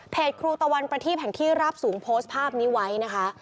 ครูตะวันประทีบแห่งที่ราบสูงโพสต์ภาพนี้ไว้นะคะ